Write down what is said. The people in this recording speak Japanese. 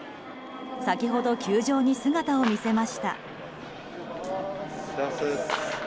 先ほど球場に姿を見せました。